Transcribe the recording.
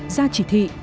ra chỉ thị